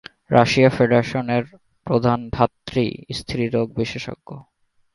Russian ফেডারেশনের প্রধান ধাত্রী-স্ত্রীরোগ বিশেষজ্ঞ।